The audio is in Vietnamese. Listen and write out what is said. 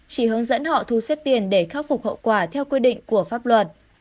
chỉ hướng dẫn họ thu xếp tiền để khắc phục hậu quả theo quy định của pháp luật